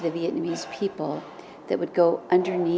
những người đàn ông những người đàn ông đa dạng